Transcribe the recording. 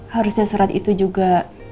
harusnya surat itu juga